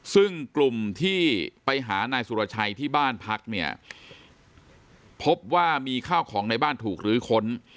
ซึ่งกลุ่มที่ไปหานายสุรชัยที่บ้านพักเนี่ยพบว่ามีข้าวของในบ้านถูกลื้อค้น